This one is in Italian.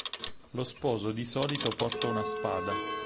Lo sposo di solito porta una spada.